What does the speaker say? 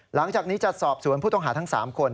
หลังจากนี้จะสอบสวนผู้ต้องหาทั้ง๓คน